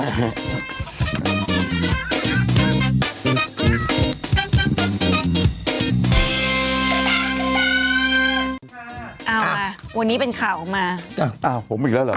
เอาล่ะวันนี้เป็นข่าวออกมาอ้าวอ้าวผมอีกแล้วเหรอ